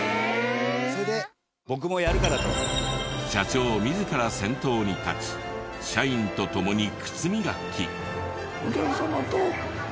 社長自ら先頭に立ち社員と共に靴磨き。